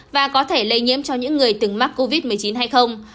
và có thể lây nhiễm cho những người từng mắc covid một mươi chín hay không